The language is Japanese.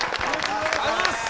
ありがとうございます！